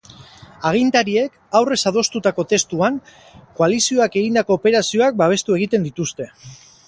Agintariek aurrez adostutako testuan, koalizioak egindako operazioak babestu egiten dituzte.